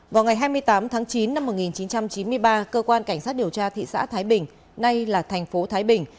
vào ngày hai mươi tám tháng chín năm một nghìn chín trăm chín mươi ba cơ quan cảnh sát điều tra thị xã thái bình nay là thành phố thái bình